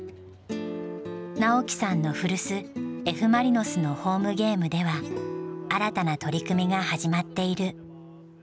直樹さんの古巣Ｆ・マリノスのホームゲームでは新たな取り組みが始まっている。